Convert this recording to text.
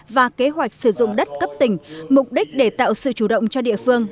và kế hoạch sử dụng đất cấp tỉnh mục đích để tạo sự chủ động cho địa phương